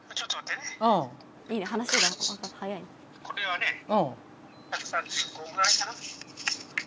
これはね。